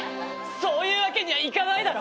そういうわけにはいかないだろ！